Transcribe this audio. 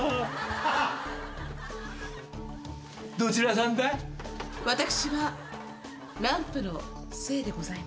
どちらさんだい？